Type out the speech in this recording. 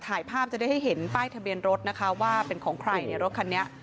ถ่ายภาพจะได้ให้เห็นป้ายทะเบียนรถนะคะว่าเป็นของใครในรถคันนี้